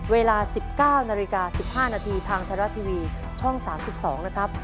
เวลา๑๙น๑๕นทางทราชทีวีช่อง๓๒นะครับ